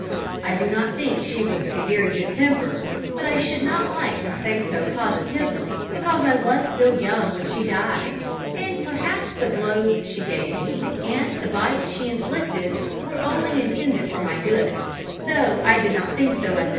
I do not think she was a very good temper; but I should not like to say so positively, because I was still young when she died, and perhaps the blows she gave me, and the bites she inflicted, were only intended for my good; though I did not think so at the time.